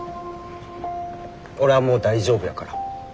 俺はもう大丈夫やから。